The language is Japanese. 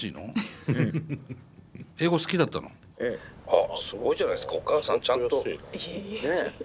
ああすごいじゃないですかお母さんちゃんと。いえいえいえ。